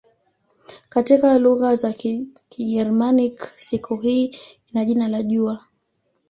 Katika lugha za Kigermanik siku hii ina jina la "jua".